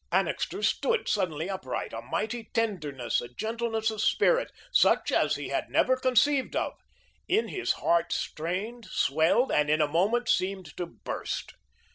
Annixter stood suddenly upright, a mighty tenderness, a gentleness of spirit, such as he had never conceived of, in his heart strained, swelled, and in a moment seemed to burst.